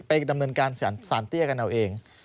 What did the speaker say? ดำเนินการสารเตี้ยกันเอาเอง